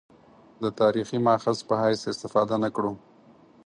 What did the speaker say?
د تاریخي مأخذ په حیث استفاده نه کړو.